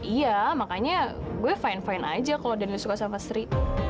iya makanya gue fine fine aja kalau dan suka sama sri